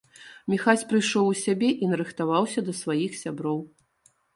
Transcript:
Міхась прыйшоў у сябе і нарыхтаваўся да сваіх сяброў.